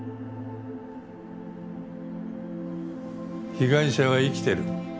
被害者は生きてる。